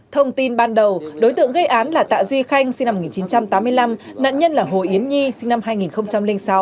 thông tin ban đầu đối tượng gây án là tạ duy khanh sinh năm một nghìn chín trăm tám mươi năm nạn nhân là hồ yến nhi sinh năm hai nghìn sáu